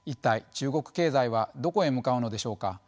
中国経済はどこへ向かうのでしょうか。